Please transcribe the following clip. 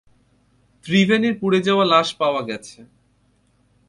ত্রিভেনির পুড়ে যাওয়া লাশ পাওয়া গেছে।